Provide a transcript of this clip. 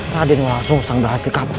raden walengsungsang berhasil kabur